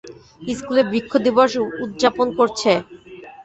স্কুলে বৃক্ষ দিবস উদযাপন করছে।